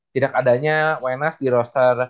tidak adanya wenas di roster